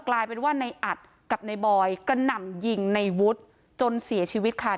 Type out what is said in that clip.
กลายเป็นว่าในอัดกับในบอยกระหน่ำยิงในวุฒิจนเสียชีวิตค่ะ